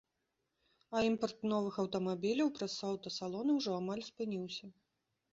А імпарт новых аўтамабіляў праз аўтасалоны ўжо амаль спыніўся.